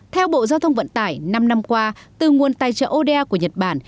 theo bộ giao thông vận tải năm năm qua từ nguồn tài trợ oda của nhật bản